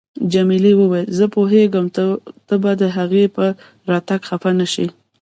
جميلې وويل: زه پوهیږم ته به د هغې په راتګ خفه نه شې.